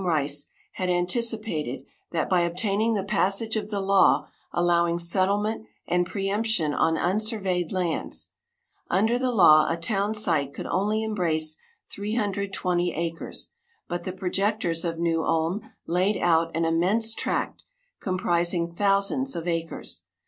Rice, had anticipated that by obtaining the passage of the law allowing settlement and preëmption on unsurveyed lands. Under the law a town site could only embrace 320 acres, but the projectors of New Ulm laid out an immense tract, comprising thousands of acres.